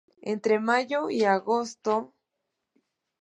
Entre mayo y agosto.